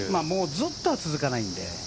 ずっとは続かないので。